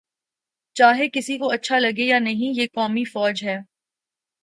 چاہے کسی کو اچھا لگے یا نہیں، یہ قومی فوج ہے۔